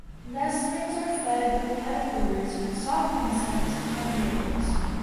Nestlings are fed with caterpillars, soft insects and berries.